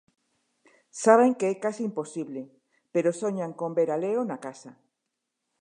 Saben que é case imposible, pero soñan con ver a Leo na casa.